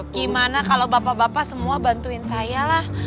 gimana kalau bapak bapak semua bantuin saya lah